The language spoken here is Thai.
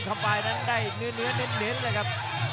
สบายนั้นได้เนื้อเน้นเลยครับ